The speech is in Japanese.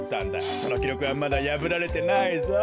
そのきろくはまだやぶられてないぞ。